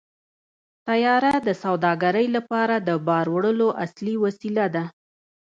طیاره د سوداګرۍ لپاره د بار وړلو اصلي وسیله ده.